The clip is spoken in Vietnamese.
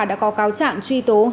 đã có cáo trạng truy tố